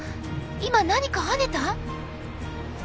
今何か跳ねた？